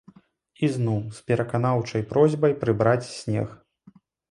І зноў з пераканаўчай просьбай прыбраць снег.